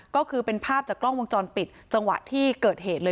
ก็คือเป็นภาพจากกล้องวงจรปิดจังหวะที่เกิดเหตุเลย